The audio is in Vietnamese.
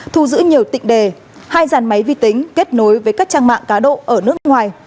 thu giữ nhiều tịnh đề hai dàn máy vi tính kết nối với các trang mạng cá độ ở nước ngoài